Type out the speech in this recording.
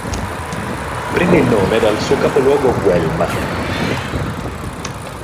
Prende il nome dal suo capoluogo Guelma.